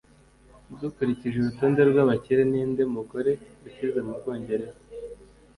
Dukurikije urutonde rwabakire Ninde Mugore Ukize Mubwongereza